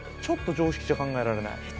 ちょっと常識じゃ考えられない。